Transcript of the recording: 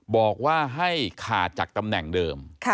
บอกว่าให้ขาดจากตำแหน่งเดิม